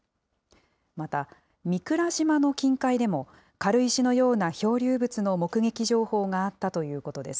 また、御蔵島の近海でも、軽石のような漂流物の目撃情報があったということです。